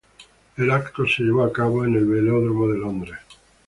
El evento se llevó a cabo en el Velódromo de Londres.